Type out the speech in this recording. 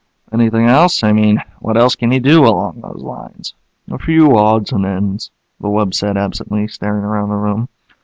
Anything else? I mean, what else can you do along those lines?" "A few odds and ends," the wub said absently, staring around the room.